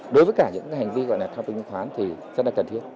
đối với cả những hành vi gọi là thao túng chứng khoán thì rất là cần thiết